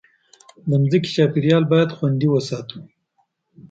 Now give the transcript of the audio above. د مځکې چاپېریال باید خوندي وساتو.